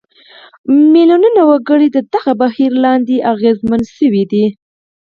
میلیونونه وګړي د دغه بهیر لاندې اغېزمن شوي دي.